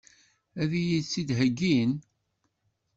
Ad iyi-tt-id-heggin?